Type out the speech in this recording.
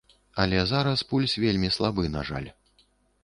Але зараз пульс вельмі слабы, на жаль.